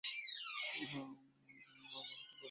বাবা আমাকে ছেড়ে চলে গেলেন, এবং আবার আমার জীবন পরিবর্তন হলো।